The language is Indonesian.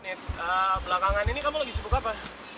nih belakangan ini kamu lagi sibuk apa